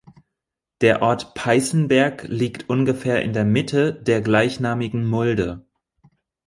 Der Ort Peißenberg liegt ungefähr in der Mitte der gleichnamigen Mulde.